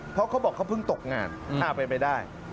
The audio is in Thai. เพราะเขาบอกเขาเพิ่งตกงานเป็นไปได้